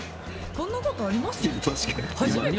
こんなことあります？